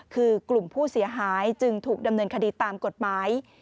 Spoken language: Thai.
คือกลุ่มผู้เสียหายจึงถูกดำเนินคดีตามกฎหมาย